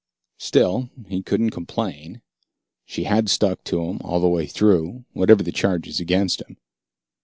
Still, he couldn't complain. She had stuck to him all the way through, whatever the charges against him.